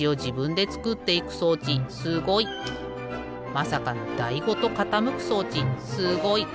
まさかのだいごとかたむく装置すごい！